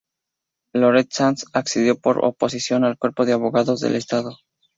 Lorente Sanz accedió por oposición al Cuerpo de Abogados del Estado.